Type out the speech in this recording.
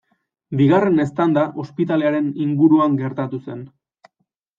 Bigarren eztanda ospitalearen inguruan gertatu zen.